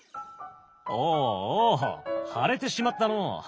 おおおお腫れてしまったのう。